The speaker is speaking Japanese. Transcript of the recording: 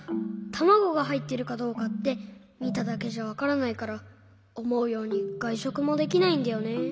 たまごがはいってるかどうかってみただけじゃわからないからおもうようにがいしょくもできないんだよね。